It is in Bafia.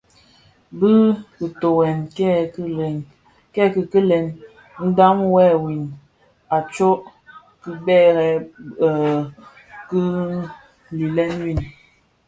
Ki bitughe kè kikilèn ndhaň yè ňu a tsok kibèrèn ki gilèn yin,